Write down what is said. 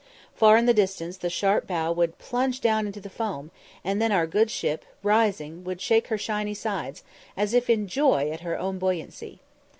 Far in the distance the sharp bow would plunge down into the foam, and then our good ship, rising, would shake her shiny sides, as if in joy at her own buoyancy.